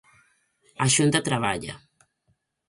A Xunta traballa.